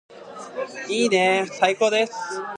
いいねーー最高です